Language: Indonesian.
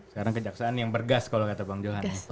sekarang kejaksaan yang bergas kalau kata bang johan